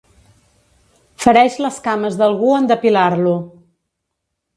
Fereix les cames d'algú en depilar-lo.